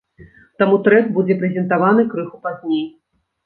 Таму трэк будзе прэзентаваны крыху пазней.